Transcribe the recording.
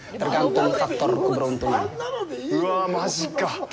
うわぁ、マジかぁ。